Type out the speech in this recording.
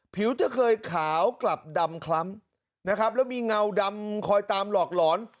ผิวจะเคยขาวกลับดำคล้ำนะครับแล้วมีเงาดำคอยตามหลอกหลอน